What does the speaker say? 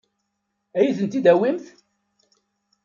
Ad iyi-tent-id-awint?